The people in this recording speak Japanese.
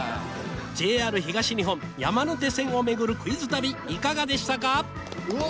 ＪＲ東日本・山手線を巡るクイズ旅いかがでしたか？